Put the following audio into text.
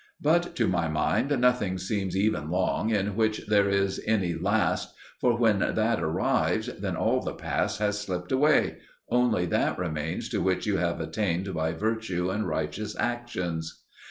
But to my mind nothing seems even long in which there is any "last," for when that arrives, then all the past has slipped away only that remains to which you have attained by virtue and righteous actions.